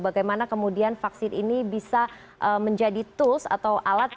bagaimana kemudian vaksin ini bisa menjadi tools atau alat